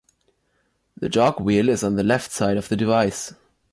The jog wheel is on the left side of the device.